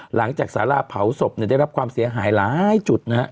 หลังจากสาระเผาศพได้รับความเสียหายหลายจุด